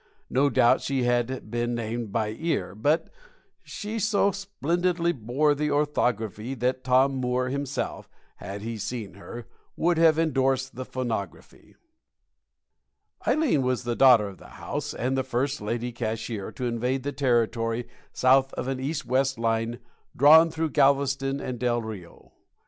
No doubt she had been named by ear; but she so splendidly bore the orthography that Tom Moore himself (had he seen her) would have endorsed the phonography. Ileen was the daughter of the house, and the first Lady Cashier to invade the territory south of an east and west line drawn through Galveston and Del Rio.